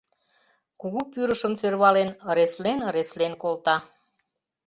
Кугу пӱрышым сӧрвален, ыреслен-ыреслен колта.